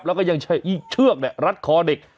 แล้วก็ยังใช้เชือกรัดคอเด็ก